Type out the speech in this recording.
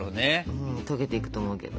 うん溶けていくと思うけどね。